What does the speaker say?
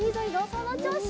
そのちょうし。